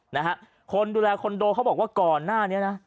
นะฮะคนดูแลคอนโดเขาบอกว่าก่อนหน้านี้นะ